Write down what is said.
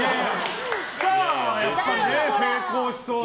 スターはやっぱり成功しそうな。